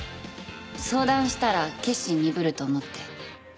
相談したら決心鈍ると思って。